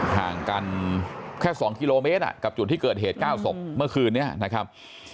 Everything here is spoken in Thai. ห่างกันแค่๒กิโลเมตรกับจุดที่เกิดเหตุ๙ศพเมื่อคืนนี้นะครับ